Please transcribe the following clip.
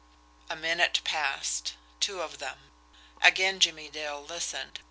A minute passed two of them. Again Jimmie Dale listened.